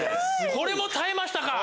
これも耐えましたか！